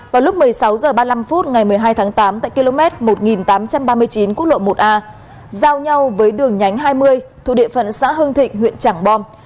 vào lúc một mươi sáu h ba mươi năm phút ngày một mươi hai tháng tám tại km một nghìn tám trăm ba mươi chín quốc lộ một a giao nhau với đường nhánh hai mươi thuộc địa phận xã hưng thịnh huyện trảng bom